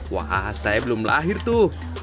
wah saya belum lahir tuh